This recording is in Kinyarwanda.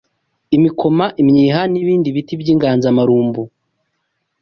Imikoma, imyiha n’ibindi biti by’inganzamarumbu